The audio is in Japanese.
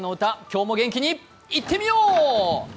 今日も元気に行ってみよう！